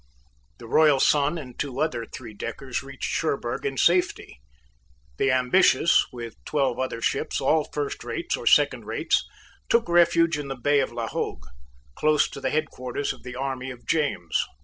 The Royal Sun and two other three deckers reached Cherburg in safety. The Ambitious, with twelve other ships, all first rates or second rates, took refuge in the Bay of La Hogue, close to the headquarters of the army of James.